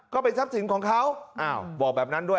ก็เป็นทรัพย์สินของเขาอ้าวบอกแบบนั้นด้วย